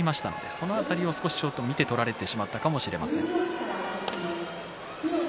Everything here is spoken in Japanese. その辺りを見て取られてしまったのかもしれません。